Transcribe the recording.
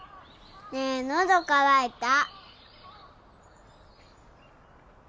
ねえのどかわいた。